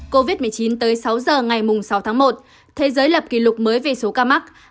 covid một mươi chín tới sáu giờ ngày sáu tháng một thế giới lập kỷ lục mới về số ca mắc